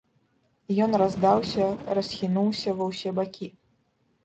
Ён раздаўся, расхінуўся ва ўсе бакі.